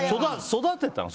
育てたの？